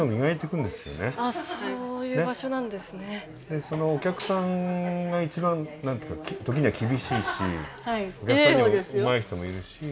でそのお客さんが一番時には厳しいしお客さんにもうまい人はいるし